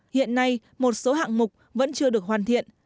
hiện nay một số hạng mục vẫn chưa được hoàn thiện